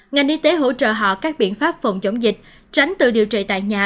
ngành y tế hỗ trợ họ các biện pháp phòng chống dịch tránh tự điều trị tại nhà